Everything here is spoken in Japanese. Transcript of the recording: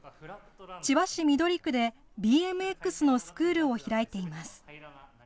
千葉市緑区でＢＭＸのスクールを開いています。